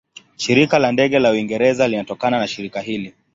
Shirika la Ndege la Uingereza linatokana na shirika hili.